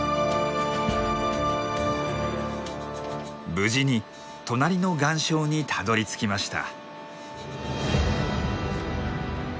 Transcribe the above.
無事に隣の岩礁にたどりつきました。